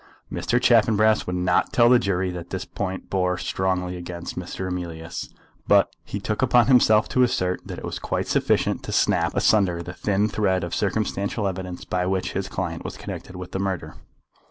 Mr. Chaffanbrass would not tell the jury that this point bore strongly against Mr. Emilius, but he took upon himself to assert that it was quite sufficient to snap asunder the thin thread of circumstantial evidence by which his client was connected with the murder.